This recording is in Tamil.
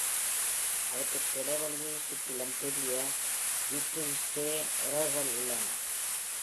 அவற்றுக்கு இடைவெளியை சுற்றிலும் பெரிய விப்ரிஸ்ஸே இறகுகள் உள்ளன.